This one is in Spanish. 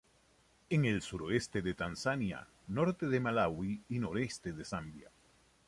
En el suroeste de Tanzania, norte de Malawi y noreste de Zambia.